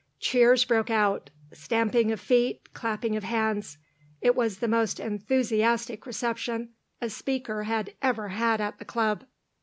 Cheers broke out, stamping of feet, clapping of hands; it was the most enthusiastic reception a speaker had ever had at the Club.